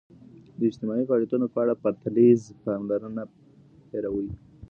د اجتماعي فعالیتونو په اړه پرتلیزه پاملرنه مه هېروئ.